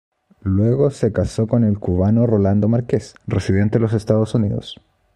Luego se casó con el cubano Rolando Márquez, residente en los Estados Unidos.